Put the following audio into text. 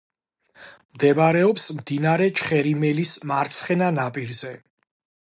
მდებარეობს მდინარე ჩხერიმელის მარცხენა ნაპირზე.